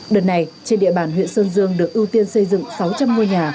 đợt này trên địa bàn huyện sơn dương được ưu tiên xây dựng sáu trăm linh ngôi nhà